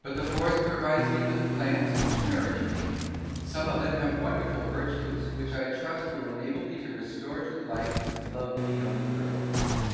But the forest provides me with plants which nourish me. Some of them have wonderful virtues, which I trust will enable me to restore to life this lovely young girl."